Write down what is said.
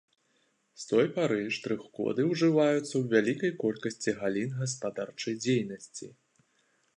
З той пары штрых-коды ўжываюцца ў вялікай колькасці галін гаспадарчай дзейнасці.